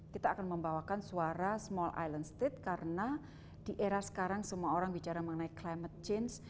kita akan membawakan suara small island state karena di era sekarang semua orang bicara mengenai climate change